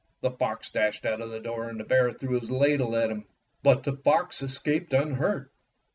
The fox dashed out of the door, and the bear threw his ladle at 137 Fairy Tale Foxes him. But the fox escaped unhurt.